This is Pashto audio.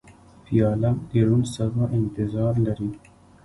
پیاله د روڼ سبا انتظار لري.